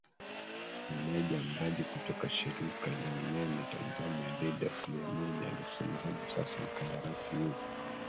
meneja mradi kutoka shirika la umeme Tanzania Didas Lyamuya alisema hadi Sasa mkandarasi Yuko